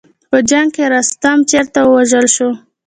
په جنګ کې رستم چېرته ووژل شو.